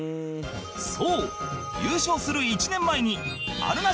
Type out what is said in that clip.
そう優勝する１年前にあるなし